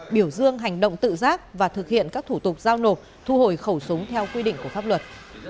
biểu dương hành động tự giác và thực hiện các thủ tục giao nộp thu hồi khẩu súng theo quy định của pháp luật